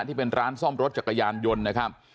ที่เป็นร้านซ่อมรถจักรยานยนต์นะครับ